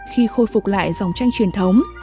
khi khôi phục lại dòng tranh truyền thống